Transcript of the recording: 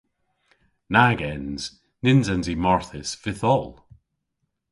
Nag ens. Nyns ens i marthys vytholl.